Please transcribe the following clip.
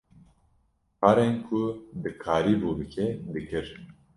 Karên ku dikarîbû bike, dikir.